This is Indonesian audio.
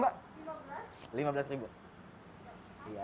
ya terima kasih